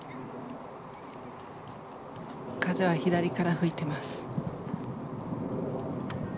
風は左から吹いています。